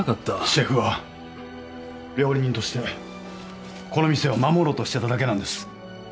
シェフは料理人としてこの店を守ろうとしてただけなんです。